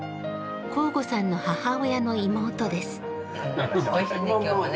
向後さんの母親の妹です。